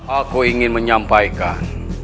aku ingin menyampaikan